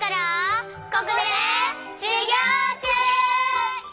ここでしゅぎょうちゅう！